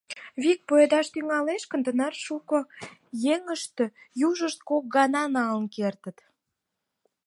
Вик пуэдаш тӱҥалеш гын, тынар шуко еҥыште южышт кок ганат налын кертыт.